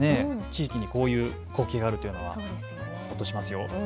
地域にこういう光景があるというのはほっとしますよ。